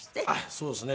そうですね。